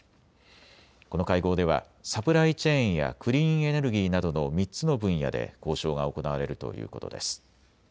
この会合ではサプライチェーンやクリーンエネルギーなどの３つの分野で交渉が行われるということです。